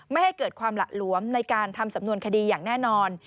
ไม่ให้เกิดความหละหลวมในการทำสำนวนคดีอย่างแน่นอน